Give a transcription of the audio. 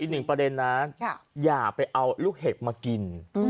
อีกหนึ่งประเด็นนะอย่าไปเอาลูกเห็บมากิน